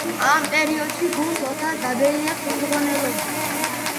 ამ პერიოდში გუნდს ოთარ გაბელია ხელმძღვანელობდა.